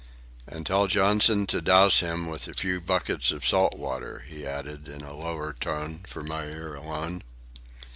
"And tell Johnson to douse him with a few buckets of salt water," he added, in a lower tone for my ear alone.